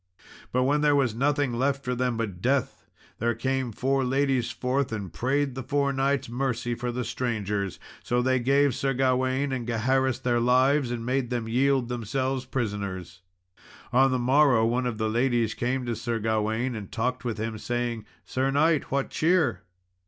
But when there was nothing left for them but death, there came four ladies forth and prayed the four knights' mercy for the strangers. So they gave Sir Gawain and Gaheris their lives, and made them yield themselves prisoners. On the morrow, came one of the ladies to Sir Gawain, and talked with him, saying, "Sir knight, what cheer?"